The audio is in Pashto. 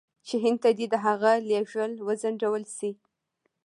چې هند ته دې د هغه لېږل وځنډول شي.